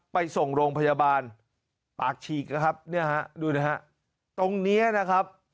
ไปส่งโรงพยาบาลปากฉีกนะครับเนี่ยฮะดูนะฮะตรงเนี้ยนะครับ